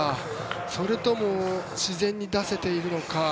それとも自然に出せているのか。